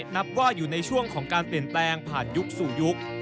นับว่าอยู่ในช่วงของการเปลี่ยนแปลงผ่านยุคสู่ยุค